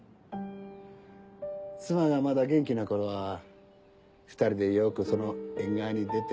妻がまだ元気な頃は２人でよくその縁側に出て。